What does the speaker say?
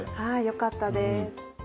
よかったです。